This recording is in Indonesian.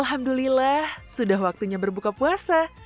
alhamdulillah sudah waktunya berbuka puasa